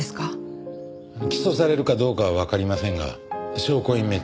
起訴されるかどうかはわかりませんが証拠隠滅